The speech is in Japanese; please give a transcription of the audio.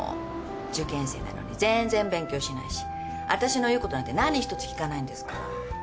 受験生なのに全然勉強しないし私の言うことなんて何一つ聞かないんですから。